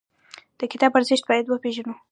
د کتاب ارزښت باید وپېژنو.